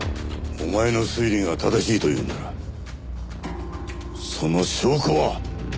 お前の推理が正しいというのならその証拠は？